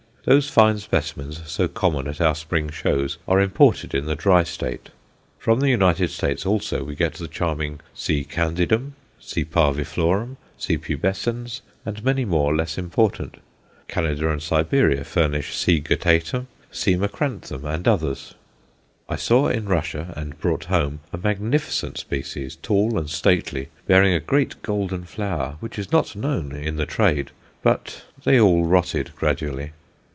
Those fine specimens so common at our spring shows are imported in the dry state. From the United States also we get the charming C. candidum, C. parviflorum, C. pubescens, and many more less important. Canada and Siberia furnish C. guttatum, C. macranthum, and others. I saw in Russia, and brought home, a magnificent species, tall and stately, bearing a great golden flower, which is not known "in the trade;" but they all rotted gradually.